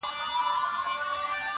خو سمندر او لمر جلال